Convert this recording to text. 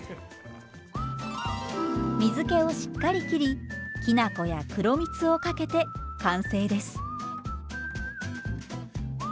水けをしっかりきりきな粉や黒みつをかけて完成です。